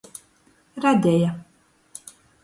Radeja.